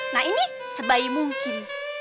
nah ini sebaik mungkin